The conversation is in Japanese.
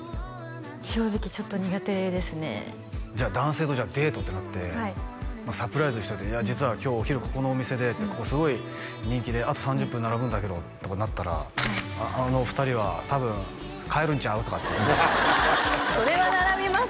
正直ちょっと苦手ですねじゃあ男性とデートってなってサプライズにしといて実は今日お昼ここのお店でってここすごい人気であと３０分並ぶんだけどとかなったらあのお二人は「多分帰るんちゃう？」とかって言ってましたそれは並びます！